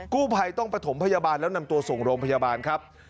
กู้ภัยต้องประถมพยาบาลแล้วนำตัวส่งโรงพยาบาลครับ